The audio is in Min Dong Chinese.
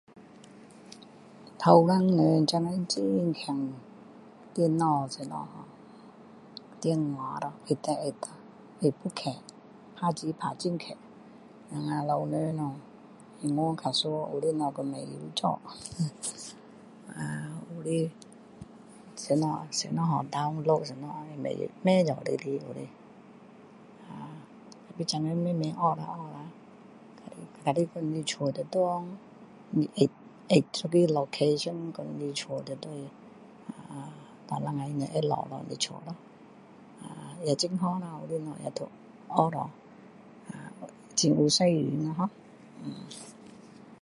年轻人现在很厉害电脑什么ho电话咯按下按下按又快打字打很快我们老人咯怎样比较输有些事又不会做呃你什么什么什么是download不会做的来我现在慢慢学下学下如果说你家在哪里你按按一个location说你家在哪里然后他们会找到你的家咯也很好咯有些东西学下很有用ho